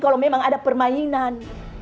kalau memang ada permainan